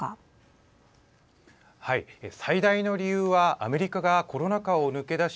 最大の理由はアメリカがコロナ禍を抜け出し